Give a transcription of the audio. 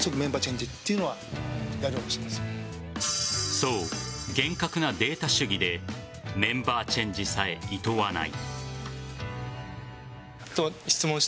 そう、厳格なデータ主義でメンバーチェンジさえいとわない。